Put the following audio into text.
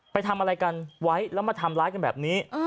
ไปทำอะไรกันไว้แล้วมาทำร้ายกันแบบนี้